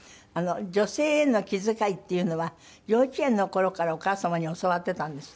女性への気遣いっていうのは幼稚園の頃からお母様に教わってたんですって？